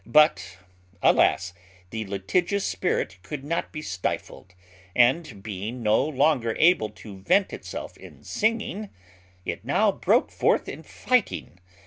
But, alas! the litigious spirit could not be stifled; and, being no longer able to vent itself in singing, it now broke forth in fighting.